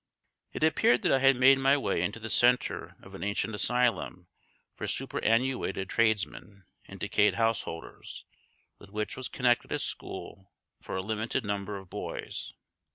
It appeared that I had made my way into the centre of an ancient asylum for superannuated tradesmen and decayed householders, with which was connected a school for a limited number of boys.